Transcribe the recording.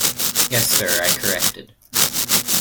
Yes, sir, I corrected.